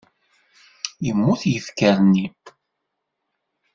Yemmut yifker-nni.